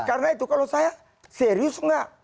karena itu kalau saya serius nggak